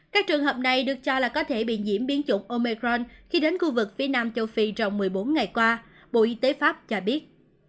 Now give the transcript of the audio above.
các trường hợp này được cho là có thể bị nhiễm biến chủng omecron khi đến khu vực phía nam châu phi trong một mươi bốn ngày qua bộ y tế pháp cho biết